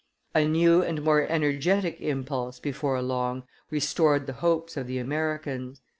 A new and more energetic impulse before long restored the hopes of the Americans.